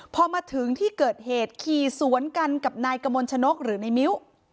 พอมาถึงที่เกิดเหตุขี่สวนกันกับนายกมลชนกหรือในมิ้ว